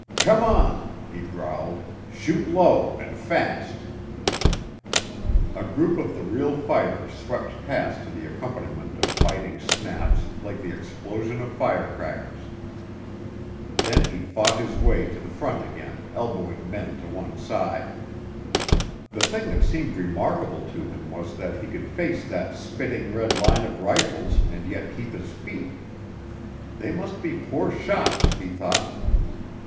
"Come on," he growled. "Shoot low and fast." A group of the real fighters swept past to the accompaniment of biting snaps like the explosion of firecrackers. Then he fought his way to the front again, elbowing men to one side. The thing that seemed remarkable to him was that he could face that spitting red line of rifles and yet keep his feet. They must be poor shots, he thought.